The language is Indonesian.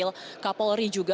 itu kapan akan dilakukan